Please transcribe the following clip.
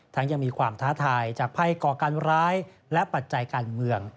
ยังมีความท้าทายจากภัยก่อการร้ายและปัจจัยการเมือง